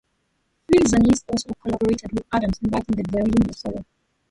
Fleezanis also collaborated with Adams in writing the violin solo.